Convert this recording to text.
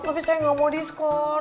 tapi saya gak mau diskors